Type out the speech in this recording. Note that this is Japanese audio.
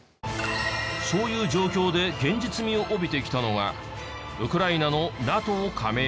そういう状況で現実味を帯びてきたのがウクライナのＮＡＴＯ加盟。